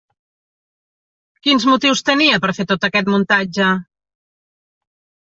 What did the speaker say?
Quins motius tenia per fer tot aquest muntatge?